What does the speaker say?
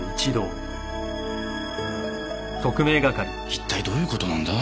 いったいどういうことなんだ？